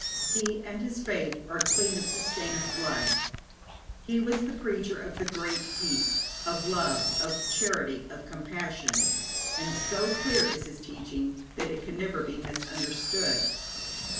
He and his faith are clean of the stain of blood. He was the preacher of the Great Peace, of love, of charity, of compassion, and so clear is his teaching that it can never be misunderstood.